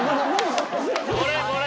これこれ！